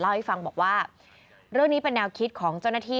เล่าให้ฟังบอกว่าเรื่องนี้เป็นแนวคิดของเจ้าหน้าที่